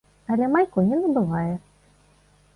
Але майку не набывае.